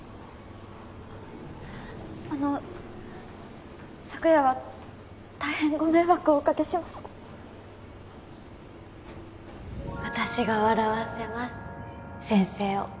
あの昨夜は大変ご迷惑をおかけしました私が笑わせます先生を